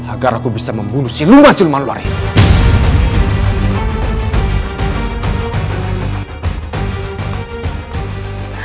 agar aku bisa membunuh silman silman ular itu